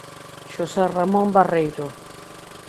Xosé Ramón Barreiro